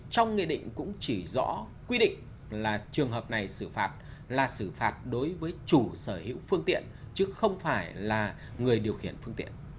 trong nghị định cũng chỉ rõ quy định là trường hợp này xử phạt là xử phạt đối với chủ sở hữu phương tiện chứ không phải là người điều khiển phương tiện